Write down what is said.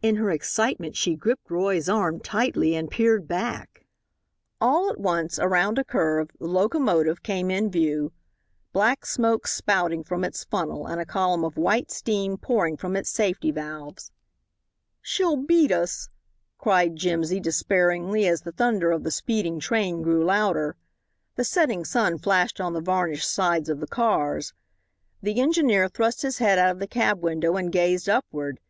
In her excitement she gripped Roy's arm tightly and peered back. All at once, around a curve, the locomotive came into view black smoke spouting from its funnel and a column of white steam pouring from its safety valves. "She'll beat us," cried Jimsy, despairingly, as the thunder of the speeding train grew louder. The setting sun flashed on the varnished sides of the cars. The engineer thrust his head out of the cab window and gazed upward.